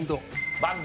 バンド。